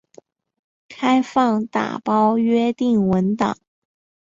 开放打包约定文档。